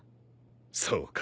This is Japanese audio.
そうか。